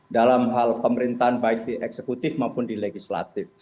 dalam hal pemerintahan baik di eksekutif maupun di legislatif